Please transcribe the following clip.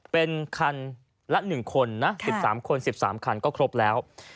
เป็นคันละ๑คนนะ๑๓คน๑๓คันก็ครบแล้ว